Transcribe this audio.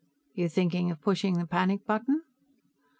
"You thinking of pushing the panic button?"